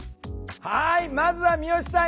はいまずは三好さん